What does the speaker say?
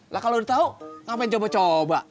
lah kalau udah tau ngapain coba coba